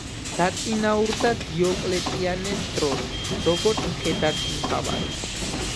დაწინაურდა დიოკლეტიანეს დროს როგორც მხედართმთავარი.